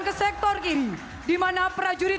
ke sektor kiri dimana prajurit